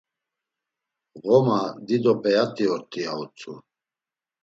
Ğoma dido p̌eat̆i ort̆i, ya utzu.